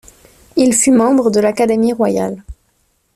Il fut membre de l'Académie royale.